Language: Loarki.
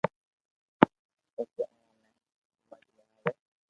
پسو اموني ني ھمج ۾ اوي